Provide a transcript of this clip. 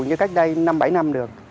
như cách đây năm bảy năm được